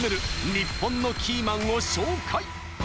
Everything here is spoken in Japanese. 日本のキーマンを紹介！